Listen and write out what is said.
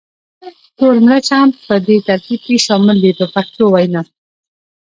تور مرچ هم په دې ترکیب کې شامل دی په پښتو وینا.